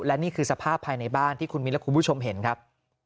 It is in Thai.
และนี่คือสภาพภายในบ้านที่คุณมิ้นและคุณผู้ชมเห็นครับ